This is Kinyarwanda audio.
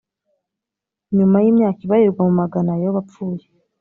Nyuma y imyaka ibarirwa mu magana Yobu apfuye